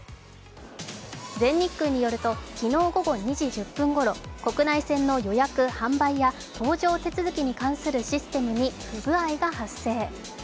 全日空によると昨日午後２時１０分ごろ国内線の予約・販売や搭乗手続きに関するシステムに、不具合が発生。